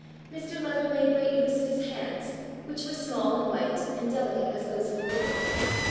Mr. Lever made great use of his hands, which were small and white and delicate as those of a woman.